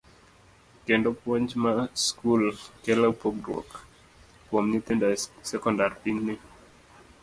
kendo puonj mar skul kelo pogruok kuom nyithindo e sekondar pinyni.